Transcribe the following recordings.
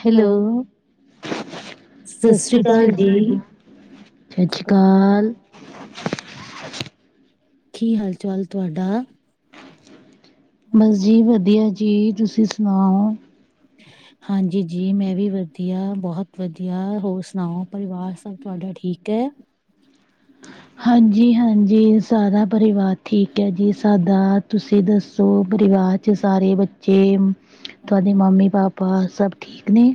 Hello. ਸੱਸਰੀ ਕਾਲ ਜੀ, ਸ਼ਸ਼ੀ ਕਾਲ। ਕੀ ਹਾਲ ਚਾਲ ਤੁਹਾਡਾ? ਬਸ ਜੀ ਵਧੀਆ ਜੀ। ਤੁਸੀਂ ਸੁਣਾਓ? [inaudible] ਹਾਂਜੀ ਜੀ, ਮੈਂ ਵੀ ਵਧੀਆ ਬਹੁਤ ਵਧੀਆ, ਹੋਰ ਸੁਣਾਓ ਪਰਿਵਾਰ ਸਭ ਤੁਹਾਡਾ ਠੀਕ ਹੈ? ਹਾਂਜੀ -ਹਾਂਜੀ ਸਾਰਾ ਪਰਿਵਾਰ ਠੀਕ ਹੈ ਜੀ ਸਾਦਾ। ਤੁਸੀਂ ਦੱਸੋ, ਪਰਿਵਾਰ ਚ ਸਾਰੇ ਬੱਚੇ ਤੁਹਾਡੇ ਮੰਮੀ ਪਾਪਾ ਸਭ ਠੀਕ ਨੇ?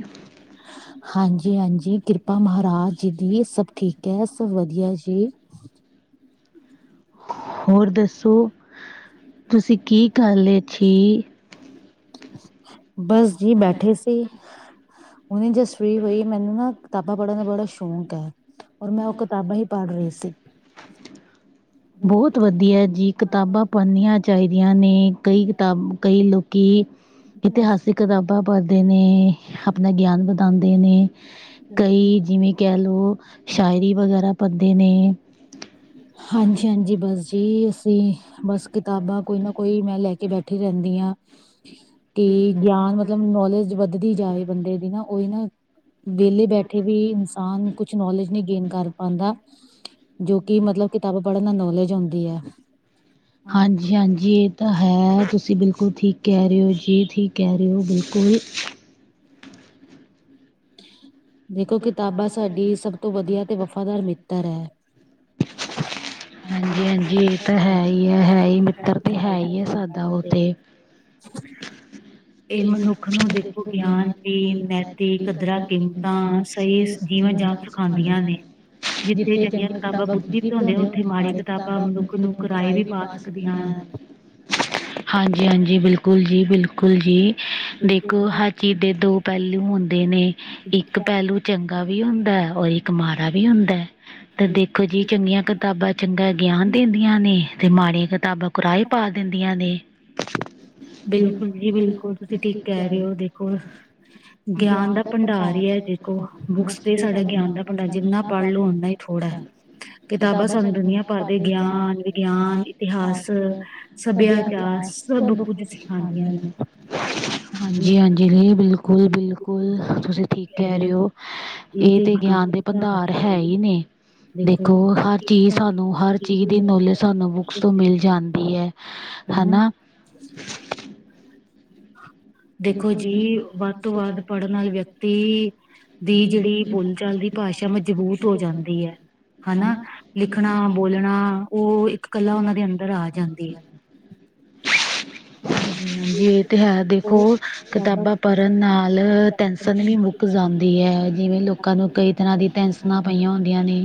[inaudible] ਹਾਂਜੀ, ਹਾਂਜੀ ਕਿਰਪਾ ਮਹਾਰਾਜ ਦੀ ਸਬ ਠੀਕ ਐ ਸਭ ਵਦੀਆ ਜੀ। ਹੋਰ ਦੱਸੋ ਤੁਸੀ ਕੀ ਕਲ ਲੇ ਸ਼ੀ? ਬਸ ਜੀ ਬੈਠੇ ਸੀ ਹੁਨੇ ਜਸ ਫਰੀ ਹੋਈ ਮੈਨੂੰ ਨਾ ਕਿਤਾਬਾਂ ਪੜ੍ਹਨ ਦਾ ਬੜਾ ਸ਼ੌਕ ਐ ਔਰ ਮੈ ਓ ਕਿਤਾਬਾਂ ਹੀ ਪੜ੍ਹ ਰਈ ਸੀ। ਬਹੁਤ ਵਧੀਐ ਜੀ ਕਿਤਾਬਾਂ ਪਣਨੀਆਂ ਚਾਹੀਦੀਆਂ ਨੇ ਕਈ ਕਿਤਾਬ, ਕਈ ਲੋਕੀ ਇਤਿਹਾਸਿਕ ਕਿਤਾਬਾਂ ਪਰਦੇ ਨੇ ਆਪਨਾ ਗਿਆਨ ਵਦਾਂਦੇ ਨੇ। ਕਈ ਜਿਵੇਂ ਕੈ ਲਉ ਸ਼ਾਇਰੀ ਵਗੈਰਾ ਪਰਦੇ ਨੇ ਹਾਂਜੀ, ਹਾਂਜੀ ਬਸ ਜੀ ਤੇ ਬਸ ਕਿਤਾਬਾਂ ਕੋਈ ਨਾ ਕੋਈ ਮੈਂ ਲੈ ਕੇ ਬੈਠੀ ਰੈਂਦੀ ਆ ਕੇ ਗਿਆਨ ਮਤਲਬ ਨੌਲੇਜ ਵੱਧਦੀ ਜਾਵੇ ਬੰਦੇ ਦੀ ਨਾ ਓਈ ਨਾ। ਵੇਲੇ ਬੈਠੇ ਵੀ ਇਨਸਾਨ ਕੁਛ ਨੌਲੇਜ ਨੀ ਗੇਨ ਕਰ ਪਾਂਦਾ। ਕੀ ਮਤਲਬ ਕਿਤਾਬਾਂ ਪੜ੍ਹਨ ਨਾਲ ਨੌਲੇਜ ਆਉਂਦੀ ਆ। ਹਾਂਜੀ- ਹਾਂਜੀ ਏ ਤਾਂ ਹੈ ਤੁਸੀ ਬਿਲਕੁਲ ਠੀਕ ਕੈ ਰੇ ਓ ਜੀ ਠੀਕ ਕੈ ਹੁੰ, ਬਿਲਕੁਲ। ਦੇਖੋ ਕਿਤਾਬਾਂ ਸਾਡੀ ਸਭ ਤੋਂ ਵਦੀਆ ਤੇ ਵਫ਼ਾਦਾਰ ਮਿੱਤਰ ਐ। ਹਾਂਜੀ -ਹਾਂਜੀ ਏ ਤਾਂ ਹੈ ਈ ਐ ਹੈ ਈ ਮਿੱਤਰ ਤੇ ਹੈ ਈ ਐ ਸਾਦਾ ਓ ਤੇ। ਏ ਮੈ ਪੁੱਛਨਾ ਦੇਖੋ ਗਿਆਨ ਵੀਰ ਮੈਤੀ ਕਦਰਾਂ, ਕੀਮਤਾਂ ਸਹੀ ਜੀਵਨ ਜਾ ਸਿਖਾਉਂਦੀਆਂ ਨੇ। ਜਿੱਥੇ ਚੰਗੀਆਂ ਕਿਤਾਬਾਂ ਬੁੱਧੀ ਵਦਾਉਂਦੀਆ ਓਥੇ ਮਾੜੇ ਕਿਤਾਬਾਂ ਮਨੁੱਖ ਨੂੰ ਕਰਾਏ ਵੀ ਪਾ ਸਕਦੀਆਂ ਨੇ। ਹਾਂਜੀ -ਹਾਂਜੀ ਬਿਲਕੁਲ ਜੀ, ਬਿਲਕੁਲ ਜੀ ਦੇਖੋ ਹ ਚੀ ਦੇ ਦੋ ਪੈਲੂ ਹੋਂਦੇ ਨੇ ਇੱਕ ਪੈਲੂ ਚੰਗਾ ਵੀ ਹੁੰਦਾ ਔਰ ਇੱਕ ਮਾੜਾ ਵੀ ਹੁੰਦਾ ਐ ਤਾ ਦੇਖੋ ਜੀ ਚੰਗੀਆਂ ਕਿਤਾਬਾਂ ਚੰਗਾ ਗਿਆਨ ਦੇਂਦੀਆਂ ਨੇ ਤੇ ਮਾੜੀਆਂ ਕਿਤਾਬਾਂ ਕੋਰਾਏ ਪਾ ਦਿੰਦੀਆਂ ਨੇ। [inaudible] ਬਿਲਕੁਲ ਜੀ, ਬਿਲਕੁਲ ਤੁਸੀ ਠੀਕ ਕੈ ਰਏ ਓ ਦੇਖੋ ਗਿਆਨ ਦਾ ਭੰਡਾਰ ਈ ਐ ਜ ਓ ਬੁੱਕਸ ਤੇ ਸਾਡੇ ਗਿਆਨ ਦਾ ਭੰਡਾ ਜਿੰਨਾ ਪੜ੍ਹ ਲੋ ਓਨਾ ਈ ਥੋੜਾ ਏ ਕਿਤਾਬਾਂ ਸਾਨੂੰ ਦੁਨੀਆ ਭਰ ਦੇ ਗਿਆਨ, ਵਿਗਿਆਨ, ਇਤਿਹਾਸ, ਸਭਿਆਚਾਰ ਸਬ ਕੁਝ ਸਿਖਾਂਦੀਆਂ ਨੇ। ਹਾਂਜੀ -ਹਾਂਜੀ ਨਈ, ਬਿਲਕੁਲ -ਬਿਲਕੁਲ ਤੁਸੀ ਠੀਕ ਕੈ ਰੇ ਓ। ਏ ਤੇ ਗਿਆਨ ਦੇ ਭੰਦਾਰ ਹੈ ਈ ਨੇ ਦੇਖੋ ਹਰ ਚੀਜ਼ ਸਾਨੂੰ ਹਰ ਚੀਜ਼ ਦੀ ਨੌਲੇਜ ਸਾਨੂੰ ਬੁੱਕਸ ਤੋਂ ਮਿਲ ਜਾਂਦੀ ਐ ਹਨਾ। [inaudible] ਦੇਖੋ ਜੀ ਵੱਧ ਤੋਂ ਵੱਧ ਪੜ੍ਹਨ ਆਲੇ ਵਿਅਕਤੀ ਦੀ ਜੇੜੀ ਬੋਲੀ ਚਾਲ ਦੀ ਭਾਸ਼ਾ ਮਜਬੂਤ ਹੋ ਜਾਂਦੀ ਐ। ਹਨਾ ਲਿਖਨਾ, ਬੋਲਣਾ ਓ ਇੱਕ ਕਲਾ ਓਨਾਂ ਅੰਦਰ ਆ ਜਾਂਦੀ ਐ। ਹਾਂਜੀ ਹਾਂਜੀ ਏ ਤੇ ਹੈ ਦੇ ਖੋ, ਕਿਤਾਬਾਂ ਪਰਨ ਨਾਲ ਤੈਨਸਨ ਵੀ ਮੁੱਕ ਜ਼ਾਨੰਦੀ ਐ ਜਿਵੇਂ ਲੋਕ ਲੋਕਾਂ ਨੂੰ ਕਈ ਤਰ੍ਹਾਂ ਦੀ ਤੈਨਸਨਾ ਪਈਆਂ ਹੁੰਦੀਆ ਨੇ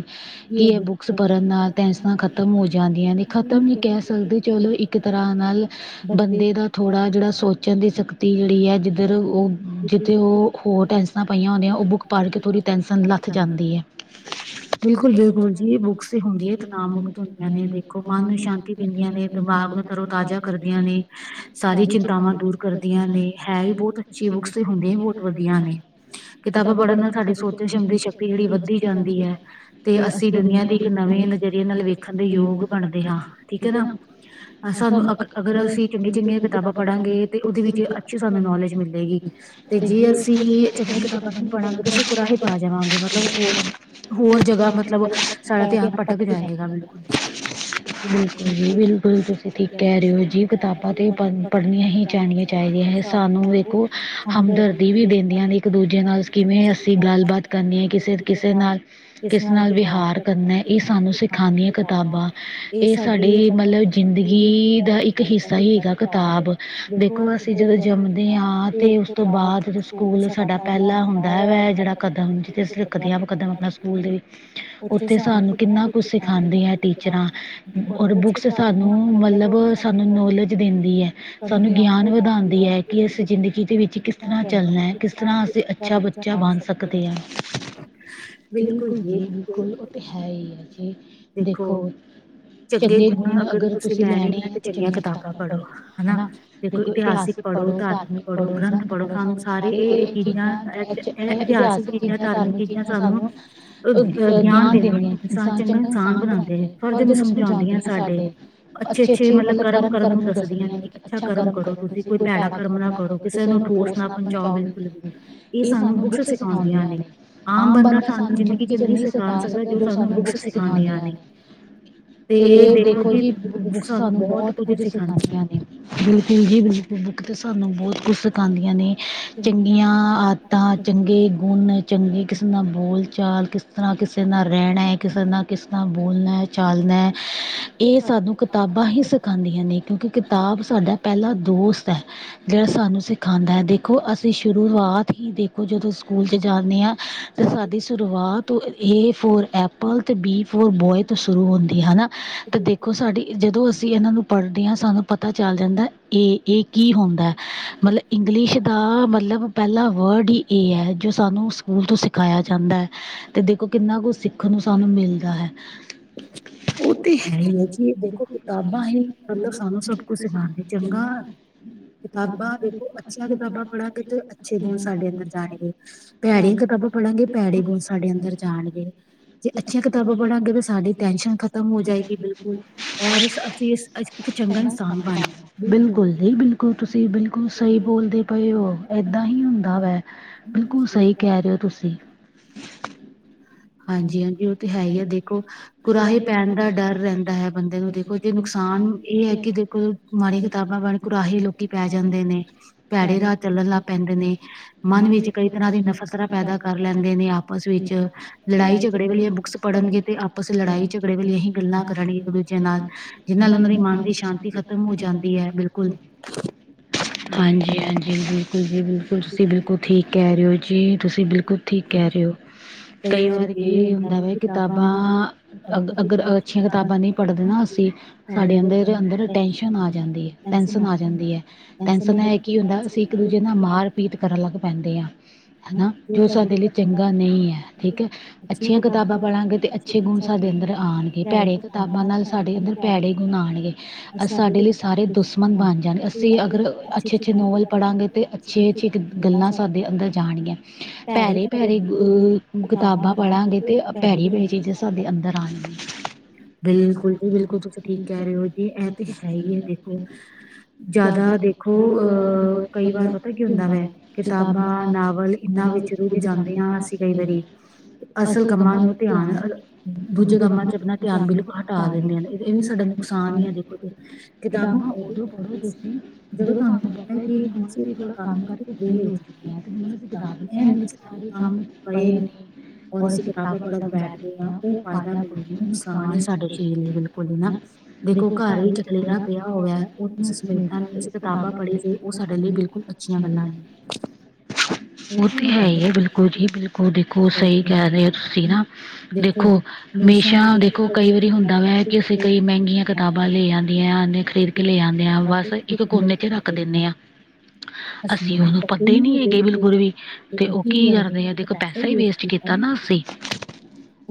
[unintelligible] ਬੁੱਕਸ ਪਰਨ ਨਾਲ ਤੈਨਸਨਾਂ ਖਤਮ ਹੋ ਜਾਂਦੀਆਂ ਨੇ ਖ਼ਤਮ ਨਈ ਕੈ ਸਕਦੇ ਚਲੋ ਇੱਕ ਤਰ੍ਹਾਂ ਨਾਲ ਬੰਦੇ ਦਾ ਥੋੜ੍ਹਾ ਜੇੜਾ ਸੋਚ ਬੱਚਣ ਦੀ ਸ਼ਕਤੀ ਜੇੜੀ ਐ ਜਿੱਧਰ ਓ ਜਿੱਥੇ ਓ ਹੋਰ ਤੈਸ਼ਨਾ ਪਈਆ ਹੁੰਦੀਆ ਓ ਬੁੱਕ ਪੜ ਕੇ ਥੋੜੀ ਤੈਸ਼ਨ ਲੱਥ ਜਾਂਦੀ ਐ। ਬਿਲਕੁਲ-ਬਿਲਕੁਲ ਜੀ ਬੁੱਕਸ ਈ ਹੁੰਦੀਆਂ ਇਕ ਨਾ‌ ਮੁਕਤ ਹੁੰਦੀਆਂ ਨੇ ਦੇਖੋ ਮਨ ਨੂੰ ਸ਼ਾਤੀ ਦਿੰਦੀਆਂ ਨੇ ਦਮਾਗ ਨੂੰ ਤਰੋ ਤਾਜ਼ਾ ਕਰਦੀਆਂ ਨੇ ਸਾਰੀ ਚਿੰਤਾਵਾਂ ਦੂਰ ਕਰਦੀਆ ਨੇ, ਹੈ ਬਹੁਤ ਅੱਛੀ ਬੁੱਕਸ ਹੁੰਦੀਆ ਵੀ ਬਹੁਤ ਵਧੀਆ ਨੇ। ਕਿਤਾਬਾਂ ਪੜਨ ਨਾਲ ਸਾਡੀ ਸੋਚਣ ਸ਼ਕ ਦੀ ਸ਼ਕਤੀ ਜੇੜੀ ਵੱਧਦੀ ਜਾਂਦੀ ਐ, ਤੇ ਅਸੀ ਦੁਨੀਆਂ ਦੀ ਇੱਕ ਨਵੇਂ ਨਜ਼ਰੀਏ ਨਾਲ ਵੇਖਣ ਦੇ ਯੋਗ ਬਣਦੇ ਹਾਂ, ਠੀਕ ਆ ਨਾ। ਸਾਨੂੰ ਅ ਅਗਰ ਅਸੀਂ ਚੰਗੀਆਂ-ਚੰਗੀਆਂ ਕਿਤਾਬਾਂ ਪੜਾਂਗੇ ਤੇ ਓਦੇ ਵਿੱਚ ਅੱਛੀ ਸਾਨੂੰ ਨੌਲੇਜ ਮਿਲੇਗੀ, ਤੇ ਜੇ ਅਸੀਂ ਚੰਗੀਆਂ ਕਿਤਾਬਾਂ ਨ‌ਈ ਪੜਾਂਗੇ ਤੇ ਅਸੀਂ ਕੁਰਾਹ ਪਾ ਜਾਵਾਗੇ ਮਤਲਬ ਹੋਰ ਹੋਰ ਜਗਾ ਮਤਲਬ ਸਾਡਾ ਧਿਆਨ ਭਟਕ ਜਾਏਗਾ ਬਿਲਕੁਲ। ਬਿਲਕੁਲ ਜੀ ਬਿਲਕੁਲ ਤੁਸੀਂ ਠੀਕ ਕਹਿ ਰਹੇ ਓ ਜੀ ਕਤਾਬਾ ਤੇ ਆਪਾਂ ਪੜਨੀਆਂ ਹੀ ਜਾ ਚਾਈਦੀਆਂ ਹੈ, ਸਾਨੂੰ ਦੇਖੋ ਹਮਦਰਦੀ ਵੀ ਦੇਦੀਆ ਨੇ ਇੱਕ-ਦੂਜੇ ਨਾਲ ਕਿਵੇਂ ਅਸੀਂ ਗੱਲਬਾਤ ਕਰਨੀ ਐ ਕਿਸੇ, ਕਿਸੇ ਨਾਲ। ਕਿਸ ਨਾਲ ਵਿਹਾਰ ਕਰਨਾ, ਏ ਸਾਨੂੰ ਸਿਖਾਦੀਆਂ ਕਤਾਬਾ ਏਹ ਸਾਡੀ ਮਲਬ ਜ਼ਿੰਦਗੀ ਦਾ ਇੱਕ ਹਿੱਸਾ ਈ ਹੈਗਾ ਕਤਾਬ। ਦੇਖੋ ਅਸੀਂ ਜਦੋਂ ਜੰਮਦੇ ਆ ਤੇ ਉਸ ਤੋਂ ਬਾਦ ਸਕੂਲ ਸਾਡਾ ਪਹਿਲਾ ਹੁੰਦਾ ਐ ਵਾ ਜੇੜਾ ਕਦਮ ਸਿੱਖਦੇ ਆ ਕਦਮ ਆਪਣਾ ਸਕੂਲ ਦੇ, ਉੱਥੇ ਸਾਨੂੰ ਕਿੰਨਾ ਕੁਛ ਸਿਖਾਦੇ ਆ ਟੀਚਰਾਂ। ਔਰ ਬੁੱਕਸ ਸਾਨੂੰ ਮਲਬ ਸਾਨੂੰ ਨੌਲੇਜ ਦਿੰਦੀ ਐ। ਆਪਾਂ ਨੂੰ ਗੇ ਗਿਆਨ ਵਧਾਦੀ ਐ ਕਿ ਅਸੀਂ ਜ਼ਿੰਦਗੀ ਦੇ ਵਿੱਚ ਕਿਸ ਤਰ੍ਹਾਂ ਚੱਲਣਾ ਕਿਸ ਤਰ੍ਹਾਂ ਅਸੀਂ ਅ ਅੱਛਾ ਬੱਚਾ ਬਣ ਸਕਦੇ ਆ। ਬਿਲਕੁਲ ਜੀ ਬਿਲਕੁਲ ਓ ਤੇ ਹੈ ਈ ਐ ਜੀ, ਦੇਖੋ ਚੰਗੇ ਗੁਣ ਅਗਰ ਤੁਸੀਂ ਲੈਣੇ ਐ ਤੇ ਚੰਗੀਆਂ ਕਤਾਬਾ ਪੜੋ ਹਨਾ। ਦੇਖੋ ਇਤਿਹਾਸਿਕ ਪੜੋ, ਧਾਰਮਿਕ ਪੜੋ, ਗ੍ਰੰਥ ਪੜੋ ਸਾਨੂੰ ਸਾਰੇ ਏ ਏ ਚੀਜ਼ਾਂ ਐਹ ਏ ਇਤਿਹਾਸਿਕ ਚੀਜ਼ਾਂ, ਧਾਰਮਿਕ ਚੀਜ਼ਾਂ ਸਾਨੂੰ ਅਹ ਅ ਗਿਆਨ ਦੇਦੀਆ। ਇਨਸਾਨ ਚੰਗਾ ਇਨਸਾਨ ਬਣਾਦੇ ਫ਼ਰਜ਼ ਨੂੰ ਸਮਝੋਦੀਆਂ ਸਾਡੇ, ਅੱਛੇ-ਅੱਛੇ ਮਲਬ ਕਰਮ ਕਰਨ ਨੂੰ ਦ ਦੱਸਦੀਆਂ ਨੇ ਕਿ ਅੱਛਾ ਕਰਮ ਕਰੋ ਤੁਸੀਂ ਕੋਈ ਭੈੜਾ ਕਰਮ ਨਾ ਕਰੋ ਕਿਸੇ ਨੂੰ ਠੋਸ ਨਾ ਪਹੁੰਚਾਓਗੇ [unintelligible] ਏ ਸਾਨੂੰ ਬੁੱਕਸ ਸਿਖਾਦੀਆਂ ਨੇ। ਆਮ ਬੰਦਾ ਸਾਨੂੰ ਜ਼ਿੰਦਗੀ ਚ ਨ‌ਈ ਸਿਖਾ ਸਕਦਾ ਜੋ ਸਾਨੂੰ ਬੁੱਕਸ ਸਿਖਾਦੀਆਂ ਨੇ। ਤੇ ਏ ਦੇਖੋ ਜੀ ਬੁੱਕਸ ਸਾਨੂੰ ਬਹੁਤ ਕੁਝ ਸਿਖਾਦੀਆਂ ਨੇ। ਬਿਲਕੁਲ ਜੀ ਬਿਲਕੁਲ ਬੁੱਕ ਤੇ ਸਾਨੂੰ ਬਹੁਤ ਕੁਝ ਸਿਖਾਦੀਆਂ ਨੇ। ਚੰਗੀਆਂ ਆਦਤਾਂ ਚੰਗੇ ਗੁਣ, ਚੰਗੀ ਕਿਸੇ ਨਾਲ ਬੋਲ-ਚਾਲ ਕਿਸ ਤਰ੍ਹਾਂ ਕਿਸੇ ਨਾਲ ਰਹਿਣਾ ਏ, ਕਿਸੇ ਨਾਲ ਕਿਸ ਨਾਲ ਬੋਲਣਾ ਚਾਲਣਾ ਐ, ਏ ਸਾਨੂੰ ਕਿਤਾਬਾਂ ਈ ਸਿਖਾਦੀਆਂ ਨੇ ਕਿਉਂਕਿ ਕਿ ਤਾਬ ਸਾਡਾ ਪਹਿਲਾ ਦੋਸਤ ਐ। ਜੇੜਾ ਸਾਨੂੰ ਸਿਖਾਦਾ ਐ ਦੇਖੋ ਅਸੀਂ ਸ਼ੁਰੂਆਤ ਹੀ ਦੇਖੋ ਜਦੋਂ ਸਕੂਲ ਚ ਜਾਨੇ ਆ। ਤੇ ਸਾਡੀ ਸ਼ੁਰੂਆਤ ਓ ਏ ਫੋਰ ਐਪ ਪਲ ਤੇ ਬੀ ਫੋਰ ਬੋਆਏ ਤੋਂ ਸ਼ੁਰੂ ਹੁੰਦੀ ਹਨਾ, ਤੇ ਦੇਖੋ ਸਾਡੀ ਜਦੋਂ ਅਸੀਂ ਏਨਾਂ ਨੂੰ ਪੜ੍ਹਦੇ ਆ ਸਾਨੂੰ ਪਤਾ ਚੱਲ ਜਾਂਦਾ ਏ ਏ ਕੀ ਹੁੰਦੈ। ਮਲਬ ਇੰਗਲਿਸ਼ ਦਾ ਮਲਬ ਪਹਿਲਾ ਵਰਡ ਈ ਏ ਐ ਜੋ ਸਾਨੂੰ ਸਕੂਲ ਤੋਂ ਸਿਖਾਇਆ ਜਾਂਦਾ ਐ, ਤੇ ਦੇਖੋ ਕਿੰਨਾ ਕੁ ਸਿ ਖਣ ਨੂੰ ਸਾਨੂੰ ਮਿਲਦਾ ਹੈ। ਉਹ ਤੇ ਹੈ ਈ ਐ ਜੀ ਦੇਖੋ ਕਿਤਾਬਾਂ ਹੀ ਮਤਲਬ ਸਾਨੂੰ ਨ ਸਭ ਕੁਛ ਸਿਖਾਂਦੀ ਚੰਗਾ, ਕਿਤਾਬਾਂ ਦੇਖੋ ਅੱਛੀਆਂ ਕਿਤਾਬਾਂ ਪੜਾਂਗੇ ਤੇ ਅ ਅੱਛੇ ਗੁਣ ਸਾਡੇ ਅੰਦਰ ਜਾਣਗੇ, ਭੈੜੀਆਂ ਕਿਤਾਬਾਂ ਪੜਾਂਗੇ ਭੈੜੇ ਗੁਣ ਸਾਡੇ ਅੰਦਰ ਜਾਣਗੇ। ਜੇ ਅੱਛੀਆਂ ਕਿਤਾਬਾਂ ਪੜਾਂਗੇ ਤੇ ਸਾਡੀ ਟੈਨਸ਼ਨ ਖ਼ਤਮ ਹੋ ਜਾਏਗੀ ਬਿਲਕੁਲ, ਔਰ ਅਸ ਅਸੀਂ ਇਸ ਗਾਂ ਇਨਸਾਨ ਬਣ ਬਿਲਕੁਲ ਜੀ ਬਿਲਕੁਲ ਤੁਸੀਂ ਬਿਲਕੁਲ ਸਈ ਬੋਲਦੇ ਪਏ ਈ ਏਦਾਂ ਹੀ ਹੁੰਦਾ ਵਾ। ਬਿਲਕੁਲ ਸਹੀ ਕਹਿ ਰਹੇ ਓ ਤੁਸੀਂ? ਹਾਂਜੀ-ਹਾਂਜੀ ਉਹ ਤੇ ਹੈ ਈ ਐ ਦੇਖੋ। ਕੁਰਾਹੇ ਪੈਣ ਦਾ ਡਰ ਰਹਿੰਦਾ ਐ ਬੰਦੇ ਨੂੰ ਦੇਖੋ ਜੇ ਨੁਕਸਾਨ ਇਹ ਹੈ ਕਿ ਦੇਖੋ ਮਾੜੀਆਂ ਕਿਤਾਬਾਂ ਬਣ ਕੁਰਾਹੇ ਲੋਕੀ ਪੈ ਜਾਂਦੇ ਨੇ, ਭੈੜੇ ਰਾਹ ਚੱਲਣ ਲੱਗ ਪੈਂਦੇ ਨੇ। ਮਨ ਵਿੱਚ ਕਈ ਤਰ੍ਹਾਂ ਦੀ ਨਫ਼ਰਤਾਂ ਪੈਦਾ ਕਰ ਲੈਂਦੇ ਨੇ ਆਪਸ ਵਿੱਚ ਲੜਾਈ ਝਗੜੇ ਵਾਲੀਆਂ ਬੁੱਕਸ ਪੜ੍ਹਨਗੇ ਤੇ ਆਪਸ ਲੜਾਈ ਝਗੜੇ ਵਾਲੀਆਂ ਹੀ ਗੱਲਾਂ ਕਰਨਗੇ ਇੱਕ ਦੂਜੇ ਨਾਲ ਜਿਹਨਾਂ ਨਾਲ ਉਹਨਾਂ ਦੀ ਮਨ ਦੀ ਸ਼ਾਂਤੀ ਖ਼ਤਮ ਹੋ ਜਾਂਦੀ ਐ ਬਿਲਕੁਲ ਹਾਂਜੀ-ਹਾਂਜੀ ਬਿਲਕੁਲ ਜੀ ਬਿਲਕੁਲ ਤੁਸੀਂ ਬਿਲਕੁਲ ਠੀਕ ਕਹਿ ਰੇ ਔ ਜੀ ਤੁਸੀਂ ਬਿਲਕੁਲ ਠੀਕ ਕਹਿ ਰੇ ਔ। ਕਈ ਵਾਰ ਐ ਹੁੰਦਾ ਵਾ ਕਿਤਾਬਾਂ ਅਗ ਅਗਰ ਅੱਛੀਆਂ ਕਿਤਾਬਾਂ ਨੀ ਪੜ੍ਹਦੇ ਨਾ ਅਸੀਂ ਸਾਡੇ ਅੰਦਰ ਅੰਦਰ ਟੈਂਸ਼ਨ ਆ ਜਾਂਦੀ ਐ। ਟੈਸਸ਼ਨ ਆ ਜਾਂਦੀ ਐ, ਟੈਸਸ਼ਨ ਇਹ ਕੀ ਅਸੀਂ ਇੱਕ ਦੂਜੇ ਨਾਲ ਮਾਰ ਪੀਟ ਕਰਨ ਲੱਗ ਪੈਂਦੇ ਆਂ। ਹਨਾ ਜੋ ਸਾਡੇ ਲਈ ਚੰਗਾ ਨੀ ਏ ਠੀਕ ਐ, ਅੱਛੀਆਂ ਕਿਤਾਬਾਂ ਪਰਾਂਗੇ ਤੇ ਅੱਛੇ ਗੁਣ ਸਾਡੇ ਅੰਦਰ ਆਣਗੇ ਭੈੜੇ ਕਿਤਾਬਾਂ ਨਾਲ ਸਾਡੇ ਅੰਦਰ ਭੈੜੇ ਗੁਣ ਆਣਗੇ ਸਾਡੇ ਲਈ ਸਾਰੇ ਦੁਸਮਣ ਬਣ ਜਾਣ ਅਸੀ ਅਗਰ ਅੱਛੇ-ਅੱਛੇ ਨੋਵਲ ਪੜਾਂਗੇ ਤੇ ਅੱਛੇ-ਅੱਛੇ ਗੱਲਾਂ ਸਾਡੇ ਅੰਦਰ ਜਾਣਗੀਆਂ ਭੈਰੇ ਭੈਰੇ ਕਿਤਾਬਾਂ ਪੜਾਂਗੇ ਤੇ ਭੈੜੀ ਭੈੜੀ ਚੀਜ਼ਾਂ ਸਾਡੇ ਅੰਦਰ ਆਣਗੀਆਂ। ਬਿਲਕੁਲ ਜੀ ਬਿਲਕੁਲ ਤੁਸੀਂ ਠੀਕ ਕਹਿ ਰਹੇ ਹੋ ਜੀ ਇਹ ਤੇ ਹੈ ਈ ਐ ਦੇਖੋ। ਜ਼ਿਆਦਾ ਦੇਖੋ ਅਹ ਕਈ ਵਾਰ ਪਤਾ ਕੀ ਹੁੰਦਾ ਵੈ, ਕਿਤਾਬਾਂ ਨਾਵਲ ਇਨਾਂ ਵਿੱਚ ਰੁਝ ਜਾਂਦੇ ਆ ਅਸੀਂ ਕਈ ਵਾਰੀ ਅਸਲ ਕੰਮਾਂ ਚ ਧਿਆਨ, ਦੂਜੇ ਕੰਮਾਂ ਅਸੀਂ ਧਿਆਨ ਬਿਲਕੁੱਲ ਹਟਾ ਦੇਣਾ ਆ। ਡਾ ਨੁਕਸਾਨ ਕਿਤਾਬਾਂ ਉਦੋਂ ਪੜ੍ਹੋ ਤੁਸੀਂ ਜਦੋਂ ਤੁਹਾਨੂੰ ਪਤਾ ਐ ਕਿ ਹੁਣ ਅਸੀਂ ਥੋੜ੍ਹਾ ਕੰਮ ਕਰਕੇ ਫ੍ਰੀ ਹੋ ਚੁੱਕੇ ਆ ਤੇ ਮੈਨੂੰ ਅਸੀਂ ਕਿਤਾਬੀ ਇਹ ਨੀ ਕਿ ਸਾਰੇ ਕੰਮ ਪਏ ਨੇ, ਔਰ ਅਸੀਂ ਕਿਤਾਬਾਂ ਪੜ੍ਹਨ ਬੈਠ ਗਏ ਆ ਉਹ ਫਾਇਦਾ ਕੋਈ ਨੁਕਸਾਨ ਐ ਸਾਡੇ ਸਰੀਰ ਲਈ ਬਿਲਕੁਲ ਈ ਨਾ ਦੇਖੋ ਘਰ ਵੀ [unintelligible] ਅਸੀਂ ਕਿਤਾਬਾਂ ਪੜ੍ਹੀ ਜੇ ਉਹ ਸਾਡੇ ਲਈ ਬਿਲਕੁਲ ਅੱਛੀਆਂ ਗੱਲਾਂ ਨੀ, ਉਹ ਤੇ ਹੈ ਈ ਐ ਬਿਲਕੁਲ ਜੀ ਬਿਲਕੁਲ। ਦੇਖੋ ਦੇਖੋ ਸਹੀ ਕਹਿ ਰੇ ਔ, ਤੁਸੀਂ ਨਾ ਵੇਖੋ ਹਮੇਸ਼ਾ ਦੇਖੋ। ਕਈ ਵਾਰੀ ਹੁੰਦਾ ਵਾ ਐ ਕਿ ਅਸੀਂ ਕਈ ਮਹਿੰਗੀਆਂ ਕਿਤਾਬਾਂ ਲੈ ਆਨੇ ਆ। ਖ਼ਰੀਦ ਕੇ ਲੈ ਆਨੇ ਆ ਬਸ ਇੱਕ ਕੋਨੇ ਚ ਰੱਖ ਦਿਨੇ ਆ। ਅਸੀਂ ਉਹਨੂੰ ਪੱਦੇ ਨੀ ਹੈਗੇ ਬਿਲਕੁਲ ਵੀ ਤੇ ਉਹ ਕੀ ਕਰਦੇ ਆ ਦੇਖੋ। ਸਹੀ ਵੇਸਟ ਕੀਤਾ ਨਾ ਅਸੀਂ,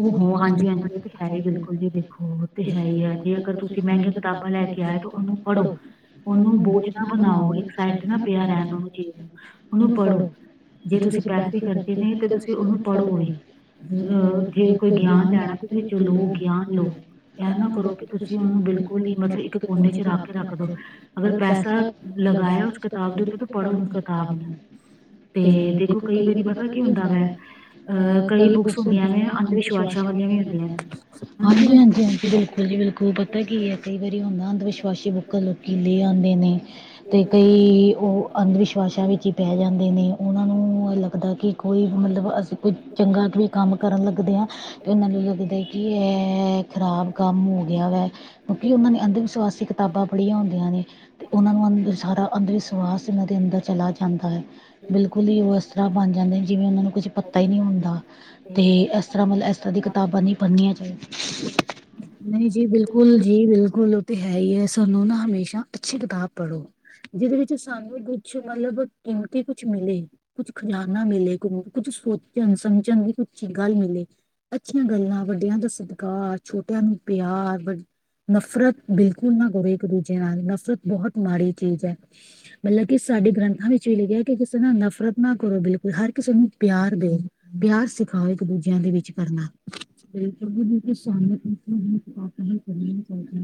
ਉਹ ਹਾਂਜੀ ਹਾਂਜੀ ਉਹ ਹੈ ਈ ਐ ਜੀ ਬਿਲਕੁਲ ਦੇਖੋ ਜੀ ਅਗਰ ਤੁਸੀਂ ਮਹਿੰਗੀਆਂ ਕਿਤਾਬਾਂ ਲੈ ਲਿਆ ਤੇ ਉਹਨੂੰ ਪੜ੍ਹੋ। ਉਹਨੂੰ ਬੋਝ ਨਾ ਬਣਾਓ ਇੱਕ ਸਾਈਡ ਤੇ ਨਾ ਪਿਆ ਰਹਿਣ ਦੋ, ਉਹਨੂੰ ਪੜ੍ਹੋ। ਜੇ ਤੁਸੀਂ ਪੈਸੇ ਖ਼ਰਚੇ ਨੇ ਤਾਂ ਤੁਸੀਂ ਉਹਨੂੰ ਪੜ੍ਹੋ। ਜੇ ਕੋਈ ਗਿਆਨ ਲੈਣ ਤੇ [unintelligible] [unintelligible] ਬਿਲਕੁਲ ਹਿੰਮਤ ਕੋਨੇ ਚ ਰ ਕੇ ਰੱਖਦੇ ਅਗਰ ਪੈਸਾ ਲਗਾਇਆ ਉਸ ਕਿਤਾਬ ਦੇ ਉਹਨੂੰ ਪੜ੍ਹੋ ਉਸ ਕਿਤਾਬ ਨੂੰ ਤੇ ਦੇਖੋ ਕਈ ਵਾਰੀ ਪਤਾ ਕਿ ਹੁੰਦਾ ਹੁੰਦਾ ਵਾ ਆ ਕਈ ਬੁੱਕਸ ਹੁੰਦੀਆਂ ਨੇ ਅੰਧ ਵਿਸ਼ਵਾਸਾਂ ਵਾਲੀਆਂ ਵੀ ਹੁੰਦੀਆਂ ਨੇ ਹਾਂਜੀ ਹਾਂਜੀ ਹਾਂਜੀ ਆਂਟੀ ਬਿਲਕੁਲ ਬਿਲਕੁਲ ਜੀ ਬਿਲਕੁਲ ਪਤਾ ਕੀ ਹੈ ਕਈ ਵਾਰੀ ਹੁੰਦਾ ਅੰਧ ਵਿਸ਼ਵਾਸੀ ਬੂਕਾ ਲੋਕੀ ਲੈ ਆਂਦੇ ਨੇ ਤੇ ਕਈ ਉਹ ਅੰਧਵਿਸ਼ਵਾਸ ਵਿੱਚ ਪੈ ਜਾਂਦੇ ਨੇ ਉਹਨਾਂ ਨੂੰ ਲੱਗਦਾ ਕਿ ਕੋਈ ਮਲਬ ਅਸੀਂ ਕੋਈ ਚੰਗਾ ਵੀ ਕੰਮ ਕਰਨ ਲੱਗਦੇ ਹਾਂ ਅਤੇ ਉਹਨਾਂ ਨੂੰ ਲੱਗਦਾ ਕੀ ਇਹ ਖਰਾਬ ਕੰਮ ਹੋ ਗਿਆ ਵਾ ਕਿਉਂਕਿ ਉਹਨਾਂ ਨੇ ਅੰਧ ਵਿਸਵਾਸੀ ਕਿਤਾਬਾਂ ਪੜ੍ਹੀਆਂ ਹੁੰਦੀਆਂ ਨੇ ਤੇ ਉਹਨਾਂ ਨੂੰ ਅੰ ਸਾਰਾ ਅੰਧ ਵਿਸਵਾਸ ਇਹਨਾਂ ਦੇ ਅੰਦਰ ਚਲਾ ਜਾਂਦਾ ਏ ਬਿਲਕੁਲ ਹੀ ਉਹ ਇਸ ਤਰ੍ਹਾਂ ਬਣ ਜਾਂਦੇ ਜਿਵੇਂ ਉਹਨਾਂ ਨੂੰ ਕੁਝ ਪੱਤਾ ਹੀ ਨਹੀਂ ਹੁੰਦਾ ਤੇ ਇਸ ਤਰ੍ਹਾਂ ਮਲਬ ਇਸ ਤਰ੍ਹਾਂ ਦੀਆਂ ਕਿਤਾਬਾਂ ਨਹੀਂ ਪੜ੍ਹਨੀਆਂ ਚਾਹੀਦੀ ਨਹੀਂ ਜੀ ਬਿਲਕੁਲ ਜੀ ਬਿਲਕੁਲ ਉਹ ਤਾਂ ਹੈ ਹੀ ਹੈ ਸਾਨੂੰ ਨਾ ਹਮੇਸ਼ਾ ਅੱਛੀ ਕਿਤਾਬ ਪੜ੍ਹੋ ਜਿਹਦੇ ਵਿੱਚ ਸਾਨੂੰ ਕੁਛ ਮਤ਼ਲਬ ਕੀਮਤੀ ਕੁਛ ਮਿਲੇ ਕੁਛ ਖਜ਼ਾਨਾ ਮਿਲੇ ਕੁ ਕੁਛ ਸੋਚਣ ਸਮਝਣ ਦੀ ਕੁਛ ਗੱਲ ਮਿਲੇ ਅੱਛੀਆਂ ਗੱਲਾਂ ਵੱਡਿਆਂ ਦਾ ਸਤਿਕਾਰ ਛੋਟਿਆਂ ਨੂੰ ਪਿਆਰ ਵ ਨਫ਼ਰਤ ਬਿਲਕੁਲ ਨਾ ਕਰੋ ਇੱਕ ਦੂਜੇ ਨਾਲ ਨਫ਼ਰਤ ਬਹੁਤ ਮਾੜੀ ਚੀਜ਼ ਏ ਮਲਬ ਕਿ ਸਾਡੇ ਗ੍ਰੰਥਾਂ ਵਿੱਚ ਵੀ ਲਿਖਿਆ ਕਿ ਕਿਸੇ ਨਾਲ ਨਫ਼ਰਤ ਨਾ ਕਰੋ ਬਿਲਕੁਲ ਹਰ ਕਿਸੇ ਨੂੰ ਪਿਆਰ ਦੋ ਪਿਆਰ ਸਿਖਾਓ ਇੱਕ ਦੂਜਿਆਂ ਦੇ ਵਿੱਚ ਕਰਨਾ ਬਿਲਕੁਲ ਜੀ ਬਿਲਕੁਲ [unintelligible]